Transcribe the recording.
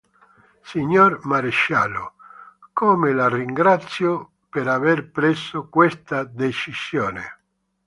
Signor Maresciallo, come La ringrazio per aver preso questa decisione.